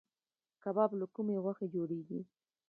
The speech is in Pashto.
کباب له کومې غوښې جوړیږي؟